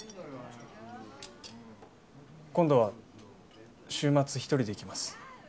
今度は週末一人で来ます。